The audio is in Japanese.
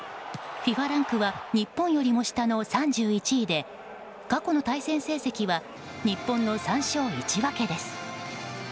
ランクは日本よりも下の３１位で過去の対戦成績は日本の３勝１分けです。